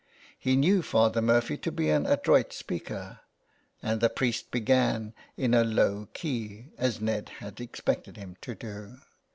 He knew Father Murphy to be an adroit speaker, and the priest began in a low key 379 THE WILD GOOSE. as Ned had expected him to do.